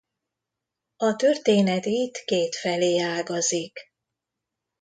A történet itt kétfelé ágazik.